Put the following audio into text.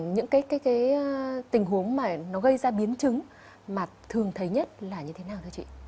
những tình huống gây ra biến chứng mà thường thấy nhất là như thế nào